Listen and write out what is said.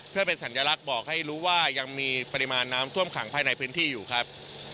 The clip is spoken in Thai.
เพื่อเป็นสัญลักษณ์บอกให้รู้ว่ายังมีปริมาณน้ำท่วมขังภายในพื้นที่อยู่ครับ